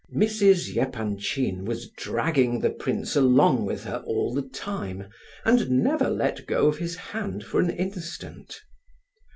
Mrs. Epanchin was dragging the prince along with her all the time, and never let go of his hand for an instant.